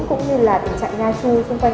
cũng như là tình trạng nga chu xung quanh